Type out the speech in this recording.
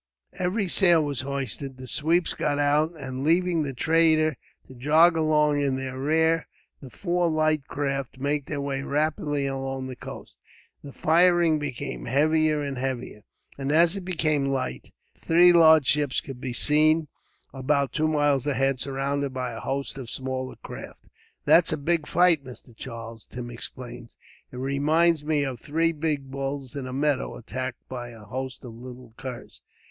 Every sail was hoisted, the sweeps got out and, leaving the trader to jog along in their rear, the four light craft made their way rapidly along the coast. The firing became heavier and heavier, and as it became light, three large ships could be seen, about two miles ahead, surrounded by a host of smaller craft. "That's a big fight, Mr. Charles," Tim exclaimed. "It reminds me of three big bulls in a meadow, attacked by a host of little curs."